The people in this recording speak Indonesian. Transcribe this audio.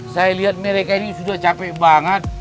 saya lihat mereka ini sudah capek banget